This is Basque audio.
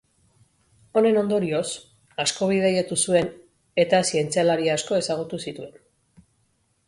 Honen ondorioz, asko bidaiatu zuen eta zientzialari asko ezagutu zituen.